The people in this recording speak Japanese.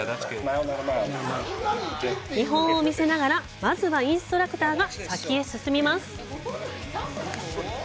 見本を見せながら、まずはインストラクターが先へ進みます。